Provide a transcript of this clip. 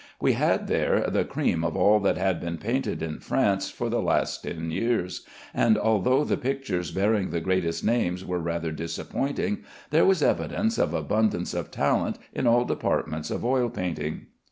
We had there the cream of all that had been painted in France for the last ten years; and although the pictures bearing the greatest names were rather disappointing, there was evidence of abundance of talent in all departments of oil painting.